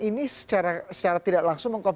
ini secara tidak langsung